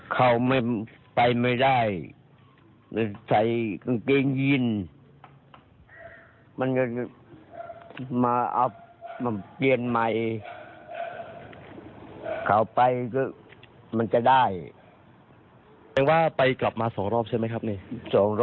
แล้วตอนนั้นลุงได้ขายเสื้อไม่มีเข็มขัดเนอะ